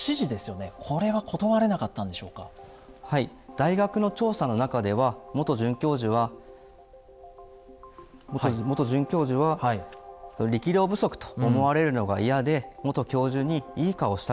大学の調査の中では元准教授は元准教授は力量不足と思われるのが嫌で元教授にいい顔をしたかったと。